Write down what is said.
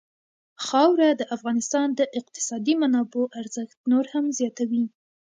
خاوره د افغانستان د اقتصادي منابعو ارزښت نور هم زیاتوي.